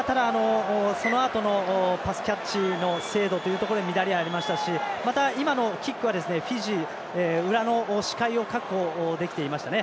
そのあとのパスキャッチの精度というところで乱れがありましたし今のキックは、フィジー裏の視界を確保できていましたね。